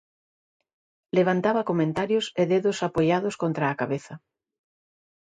Levantaba comentarios e dedos apoiados contra a cabeza.